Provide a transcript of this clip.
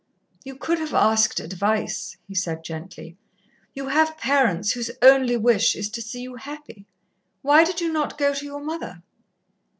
"You could have asked advice," he said gently. "You have parents whose only wish is to see you happy. Why did you not go to your mother?"